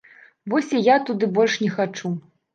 Вось і я туды больш не хачу.